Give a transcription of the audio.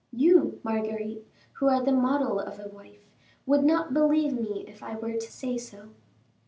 You, Marguerite, who are the model of a wife, would not believe me if I were to say so."